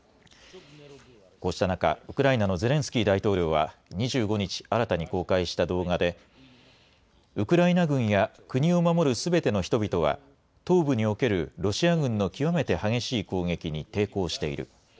こうした中、ウクライナのゼレンスキー大統領は２５日、新たに公開した動画でウクライナ軍や国を守るすべての人々は東部におけるロシア軍の極めて激しい攻撃に抵抗している。